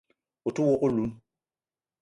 O te wok oloun